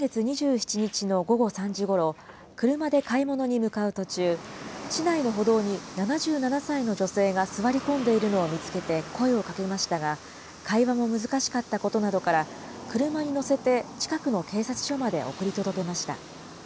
２人は先月２７日の午後３時ごろ、車で買い物に向かう途中、市内の歩道に７７歳の女性が座り込んでいるのを見つけて声をかけましたが、会話も難しかったことなどから、車に乗せて、近くの警察署まで送り届けました。